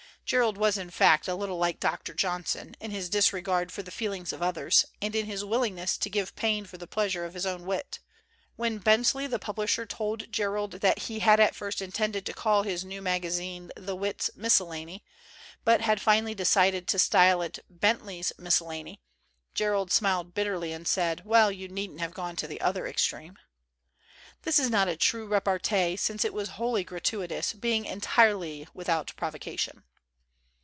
Jerrold was in fact a little like Doctor Johnson, in his disregard for the feelings of others and in his willingness to give pain for the pleasure of his own wit. When Bentley the publisher told Jerrold that he had at first intended to call his new maga zine the Wit's Miscellany but had finally de c id i'd to style it Bentley' s Miscellany, Jerrold smiled bitterly and said, "Well, you needn't have gone to the other extreme." This is not a true repartee, since it was wholly gratuitous, being entirely without provocation.